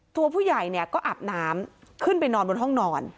ตัวผู้ใหญ่เนี่ยก็อาบน้ำขึ้นไปนอนบนห้องนอน